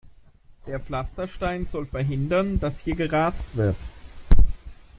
Der Pflasterstein soll verhindern, dass hier gerast wird.